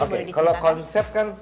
oke kalau konsep kan